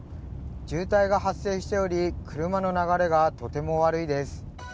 渋滞が発生しており、車の流れがとても悪いです。